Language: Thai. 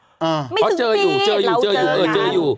ไม่สึกปีนเราเจอกันเจออยู่เจออยู่เออเจออยู่